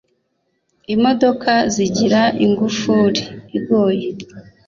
Imodoka zigira ingufuri igoye